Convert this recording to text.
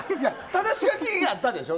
ただし書きがあったでしょ。